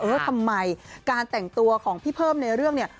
ทำไมการแต่งตัวของพี่เพิ่มในเรื่องเนี่ย